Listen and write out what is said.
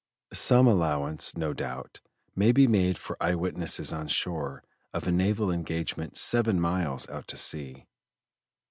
Some allowance, no doubt, may be made for eyewitnesses on shore of a naval engagement seven miles out at sea.